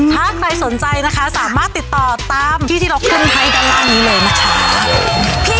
ถ้าใครสนใจนะคะสามารถติดต่อตามที่ที่เราขึ้นให้ด้านล่างนี้เลยนะคะ